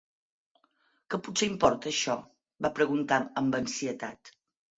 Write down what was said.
"Que potser importa això?", va preguntar, amb ansietat.